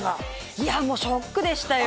いやもうショックでしたよ。